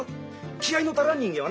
気合いの足らん人間はね